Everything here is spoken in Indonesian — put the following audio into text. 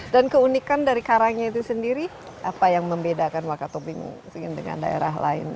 dan keunikan dari karangnya itu sendiri apa yang membedakan wakatobi mungkin dengan daerah lain